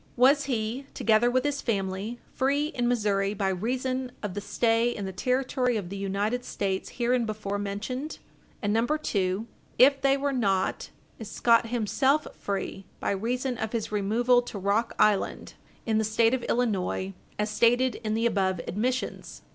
Was he, together with his family, free in Missouri by reason of the stay in the territory of the United States hereinbefore Page 60 U. S. 432 mentioned? And 2. If they were not, is Scott himself free by reason of his removal to Rock Island, in the State of Illinois, as stated in the above admissions?